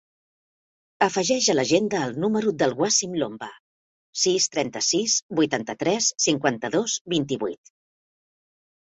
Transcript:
Afegeix a l'agenda el número del Wassim Lomba: sis, trenta-sis, vuitanta-tres, cinquanta-dos, vint-i-vuit.